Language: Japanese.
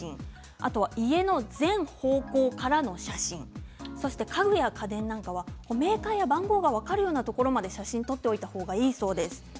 あとは家の全方向からの写真それから家具や家電はメーカーや番号が分かるところまで写真を撮っておいた方がいいそうです。